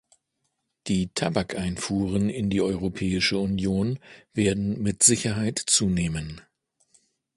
Die Tabakeinfuhren in die Europäische Union werden mit Sicherheit zunehmen.